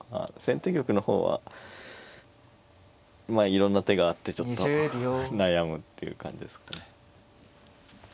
先手玉の方はまあいろんな手があってちょっと悩むっていう感じですかね。